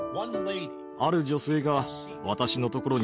ある女性が私のところに。